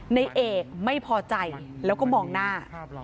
ในเอกไม่พอใจแล้วก็มองหน้า